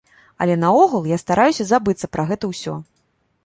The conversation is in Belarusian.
Але наогул, я стараюся забыцца пра гэта ўсё.